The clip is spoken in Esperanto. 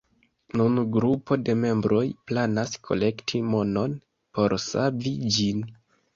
Nun grupo de membroj planas kolekti monon por savi ĝin.